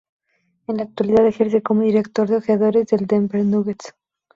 En la actualidad ejerce como director de ojeadores de los Denver Nuggets.